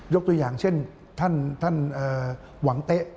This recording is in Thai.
ตัวอย่างเช่นท่านหวังเต๊ะ